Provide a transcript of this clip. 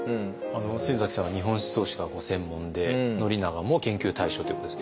先さんは日本思想史がご専門で宣長も研究対象ということです。